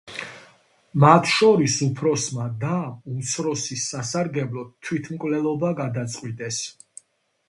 მათ შორის ორმა უფროსმა დამ, უმცროსის სასარგებლოდ თვითმკვლელობა გადაწყვიტეს.